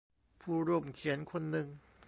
ผู้ร่วมเขียนคนนึง